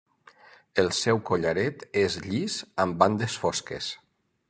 El seu collaret és llis amb bandes fosques.